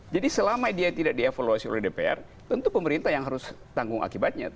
jadi selama dia tidak dievaluasi oleh dpr tentu pemerintah yang harus tanggung akibatnya